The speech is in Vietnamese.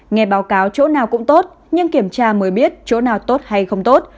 nghe báo cáo chỗ nào cũng tốt nhưng kiểm tra mới biết chỗ nào tốt hay không tốt